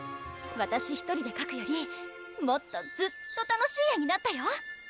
わたし１人でかくよりもっとずっと楽しい絵になったよ